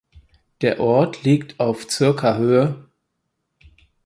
Der Ort liegt auf circa Höhe.